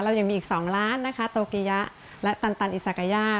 ยังมีอีก๒ล้านนะคะโตกิยะและตันตันอิซากายา